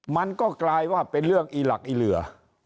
มันก็กลายว่าเป็นเรื่องอีหลักอีเหลือ